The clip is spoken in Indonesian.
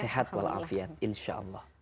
sehat walafiat insyaallah